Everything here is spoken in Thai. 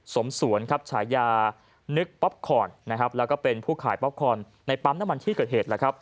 สมสวนฉายานึกป๊อปคอร์นและเป็นผู้ขายป๊อปคอร์นในปั๊มน้ำมันที่เกิดเหตุ